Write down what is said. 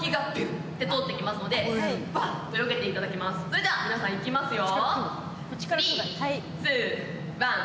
それでは皆さんいきますよ。